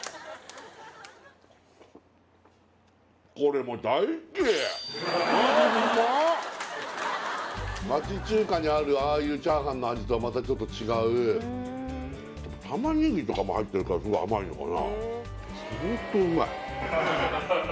はっ町中華にあるああいうチャーハンの味とはまたちょっと違う玉ねぎとかも入ってるからすごい甘いのかな？